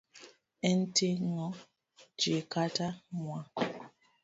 En ting'o ji kata mwa